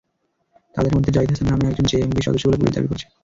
তাঁদের মধ্যে জাহিদ হাসান নামে একজন জেএমবির সদস্য বলে পুলিশ দাবি করেছে।